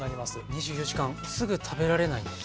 ２４時間すぐ食べられないんですね。